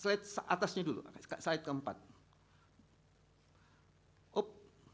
slide atasnya dulu slide keempat